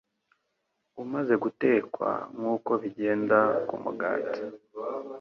umaze gutekwa, nk’uko bigenda ku mugati